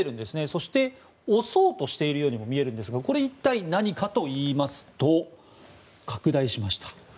そして押そうとしているようにも見えるんですがこれ一体、何かといいますと拡大しました。